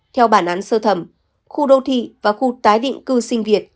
theo bản án sơ thẩm khu đô thị và khu tái định cư sinh việt